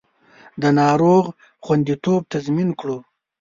د ناروغ خوندیتوب تضمین کړو